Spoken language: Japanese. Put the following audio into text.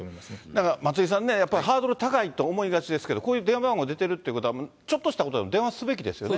だから松井さんね、やっぱりハードル高いと思いがちですけども、こういう電話番号出ているということは、ちょっとしたことでも電話すべきですよね。